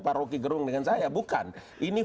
pak rocky gerung dengan saya bukan ini